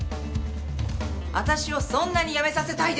私をそんなに辞めさせたいですか！？